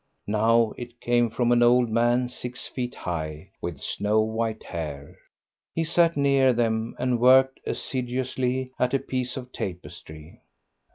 Now it came from an old man six feet high, with snow white hair. He sat near them, and worked assiduously at a piece of tapestry.